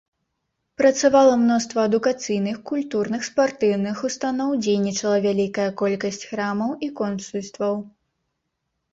Працавала мноства адукацыйных, культурных, спартыўных устаноў, дзейнічала вялікая колькасць храмаў і консульстваў.